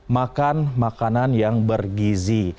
makan makanan yang bergizi